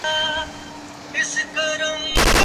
اس نے ناول کو جرمن میں ترجمہ کیا۔